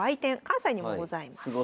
関西にもございます。